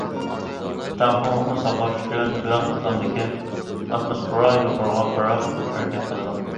تەڭپۇڭلۇقنى ساقلاش ئۈچۈن، تۆۋەن قاتلامدىكى، ئاتموسفېرا يۇقىرىغا قاراپ ھەرىكەت قىلىدۇ.